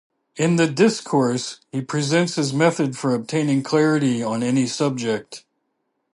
In the "Discourse", he presents his method for obtaining clarity on any subject.